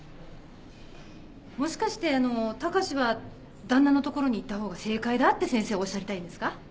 もしかして高志は旦那の所に行ったほうが正解だって先生おっしゃりたいんですか？